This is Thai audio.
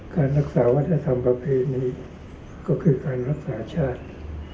การรักษาวัฒนธรรมประเพณีก็คือการรักษาชาติ